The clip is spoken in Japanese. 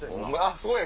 そうや！